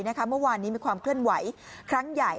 เมื่อวานนี้มีความเคลื่อนไหวครั้งใหญ่